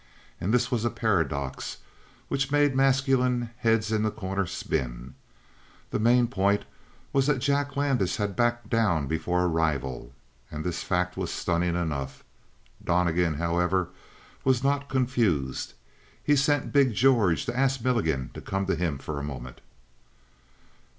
And this was a paradox which made masculine heads in The Corner spin. The main point was that Jack Landis had backed down before a rival; and this fact was stunning enough. Donnegan, however, was not confused. He sent big George to ask Milligan to come to him for a moment.